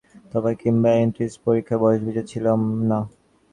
তখন বিবাহ কিম্বা এনট্রেন্স পরীক্ষায় বয়সবিচার ছিল না।